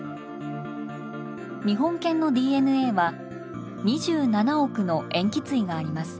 日本犬のＤＮＡは２７億の塩基対があります。